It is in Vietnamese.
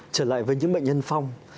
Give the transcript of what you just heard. trở lại với những bệnh nhân phong